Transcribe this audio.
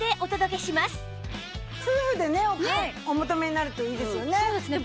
夫婦でねお求めになるといいですよね。